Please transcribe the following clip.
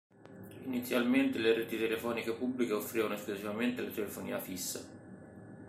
Inizialmente le reti telefoniche pubbliche offrivano esclusivamente la telefonia fissa.